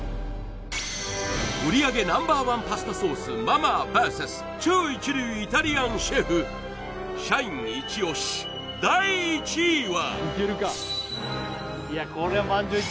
売上Ｎｏ．１パスタソースマ・マーＶＳ超一流イタリアンシェフ社員イチ押し第１位は？